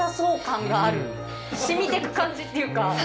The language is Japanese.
染みてく感じっていうか。